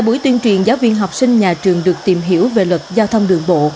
mỗi tuyên truyền giáo viên học sinh nhà trường được tìm hiểu về luật giao thông đường bộ